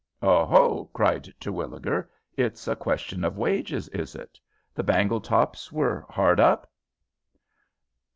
"Oho!" cried Terwilliger; "it's a question of wages, is it? The Bangletops were hard up?"